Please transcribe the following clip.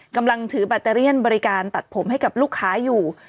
กำลังถือแบตเตอเลียนบริการตัดผมให้กับลูกค้าอยู่